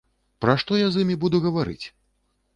Пра што я з імі буду гаварыць?